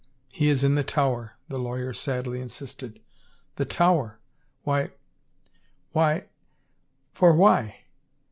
" He is in the Tower," the lawyer sadly insisted. " The Tower ? Why — why — for why